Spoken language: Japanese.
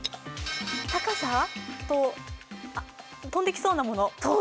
高さと飛んでいきそうなもの。